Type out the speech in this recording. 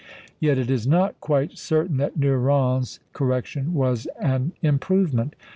Yet it is not quite certain that Nyrén's correction was an improvement.